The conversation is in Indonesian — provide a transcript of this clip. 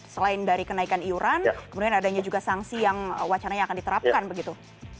selain dari kenaikan iuran kemudian adanya juga sanksi yang wacananya akan diterapkan begitu